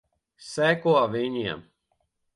Seko viņiem.